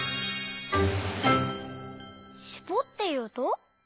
「しぼっていうと」？